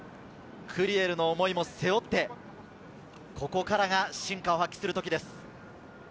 クリエルの思いも背負って、ここからが真価を発揮する時です。